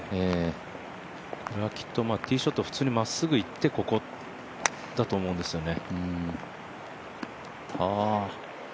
これはティーショットまっすぐいってここだと思うんですね。